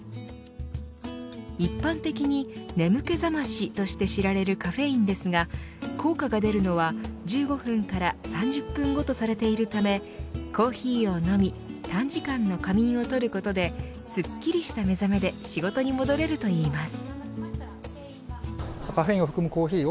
一般的に眠気覚ましとして知られるカフェインですが効果が出るのは１５分から３０分後とされているためコーヒーを飲み短時間の仮眠をとることですっきりした目覚めで仕事に戻れるといいます。